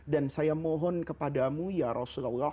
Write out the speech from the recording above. saya mohon kepadamu ya rasulullah